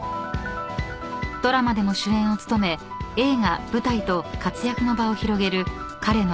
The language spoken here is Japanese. ［ドラマでも主演を務め映画舞台と活躍の場を広げる彼の］